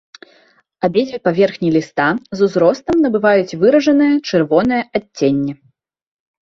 Абедзве паверхні ліста з узростам набываюць выражанае чырвонае адценне.